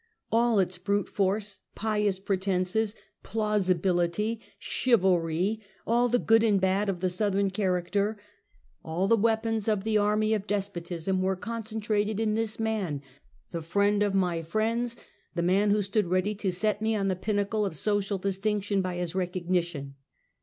All its brute force, pious pretenses, plausibility, chivalry, all the good and bad of the Southern character; all the weapons of the army of despotism were concentrated in this man, the friend of my friends, the man who stood ready to set me on the pinnacle of social distinction by his recognition.